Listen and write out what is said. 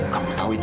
kamu tahu itu